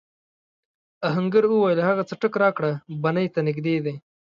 آهنګر وویل هغه څټک راکړه بنۍ ته نږدې دی.